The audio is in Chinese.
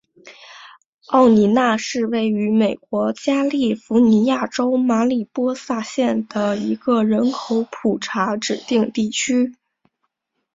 瓦沃纳是位于美国加利福尼亚州马里波萨县的一个人口普查指定地区。